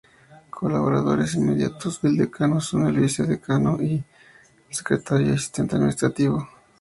Colaboradores inmediatos del Decano son el Vicedecano, el Secretario y el Asistente Administrativo.